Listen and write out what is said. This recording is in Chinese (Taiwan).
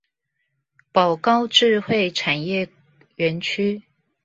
寶高智慧產業園區